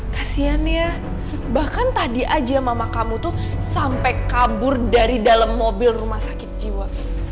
kasiannya bahkan tadi aja mama kamu tuh sampai kabur dari dalam mobil rumah sakit jiwa